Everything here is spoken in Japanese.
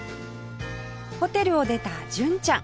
ホテルを出た純ちゃん